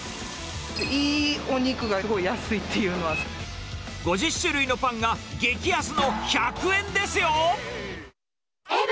いいお肉がすごい安いってい５０種類のパンが激安の１００円ですよ。